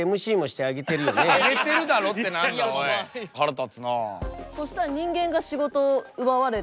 腹立つなあ。